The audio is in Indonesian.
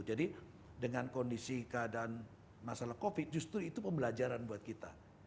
jadi dengan kondisi keadaan masalah covid justru itu pembelajaran buat kita